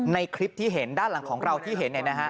ในคลิปที่เห็นด้านหลังของเราที่เห็น